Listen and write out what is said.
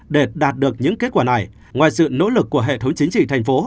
để đạt được những kết quả này ngoài sự nỗ lực của hệ thống chính trị thành phố